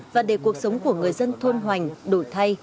và để cuộc sống của người dân thôn hoành đổi thay